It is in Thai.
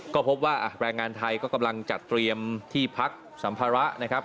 ก็พบว่าแรงงานไทยก็กำลังจัดเตรียมที่พักสัมภาระนะครับ